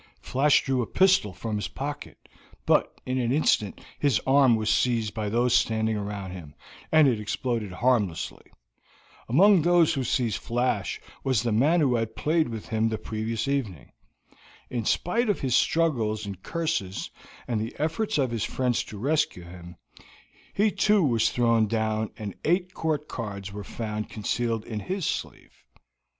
Flash drew a pistol from his pocket, but in an instant his arm was seized by those standing round him, and it exploded harmlessly. Among those who seized Flash was the man who had played with him the previous evening. In spite of his struggles and curses, and the efforts of his friends to rescue him, he too was thrown down and eight court cards were found concealed in his sleeve.